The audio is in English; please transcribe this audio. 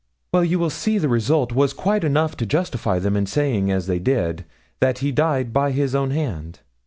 'Well, you will see the result was quite enough to justify them in saying as they did, that he died by his own hand.